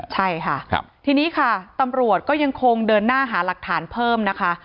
ใช่ค่ะทีนี้ค่ะตำรวจก็ยังคงเดินหน้าหาหลักฐานเพิ่มนะคะ